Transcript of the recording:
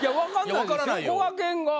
こがけんが。